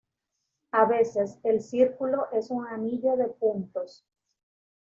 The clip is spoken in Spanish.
A veces el círculo es un anillo de puntos.